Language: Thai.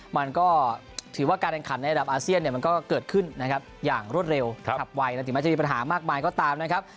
มันก็ถือว่าการแข่งขันในระดับอาเซียนเนี่ยมันก็เกิดขึ้นนะครับอย่างรวดเร็วขับไวและถึงแม้จะมีปัญหามากมายก็ตามนะครับ